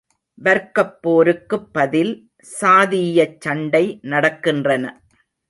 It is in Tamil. வர்க்கப்போருக்குப் பதில் சாதீயச் சண்டை நடக்கின்றன!